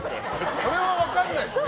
それは分からないですけど。